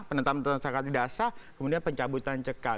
penentang penentang sakat dasar kemudian pencabutan cekal